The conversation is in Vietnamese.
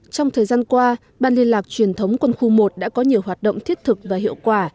trong thời gian qua ban liên lạc truyền thống quân khu một đã có nhiều hoạt động thiết thực và hiệu quả